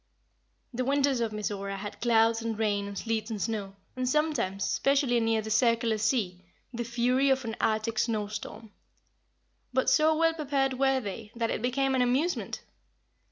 The winters of Mizora had clouds and rain and sleet and snow, and sometimes, especially near the circular sea, the fury of an Arctic snow storm; but so well prepared were they that it became an amusement.